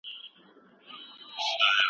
بهرنيو پانګوالو زموږ په هيواد کي پانګونه کوله.